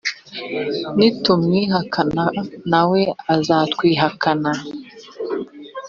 nitumwihakana na we azatwihakana